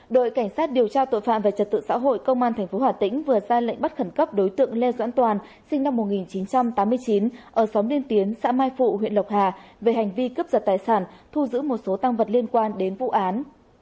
đội cảnh sát điều tra tội phạm về trật tự xã hội công an tp hà tĩnh vừa ra lệnh bắt khẩn cấp đối tượng lê doãn toàn sinh năm một nghìn chín trăm tám mươi chín ở xóm liên tiến xã mai phụ huyện lộc hà về hành vi cướp giật tài sản thu giữ một số tăng vật liên quan đến vụ án